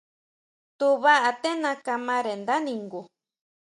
Tubá aténa kamare ndá ningu.